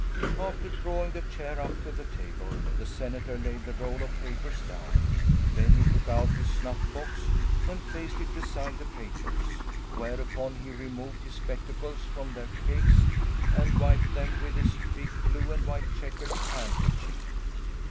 After drawing the chair up to the table the senator laid the roll of papers down, then he took out his snuff box and placed it beside the papers, whereupon he removed his spectacles from their case and wiped them with his big blue and white checkered handkerchief.